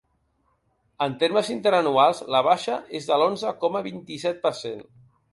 En termes interanuals, la baixa és de l’onze coma vint-i-set per cent.